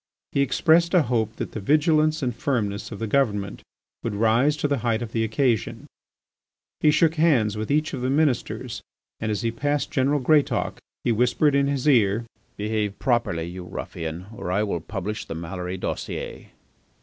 He expressed a hope that the vigilance and firmness of the Government would rise to the height of the occasion. He shook hands with each of the ministers and as he passed General Greatauk he whispered in his ear: "Behave properly, you ruffian, or I will publish the Maloury _dossier!